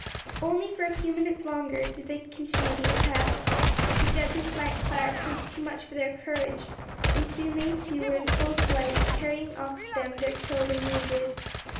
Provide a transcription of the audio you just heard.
Only for a few minutes longer did they continue the attack. The deadly flank fire proved too much for their courage, and soon they too were in full flight, carrying off with them their killed and wounded.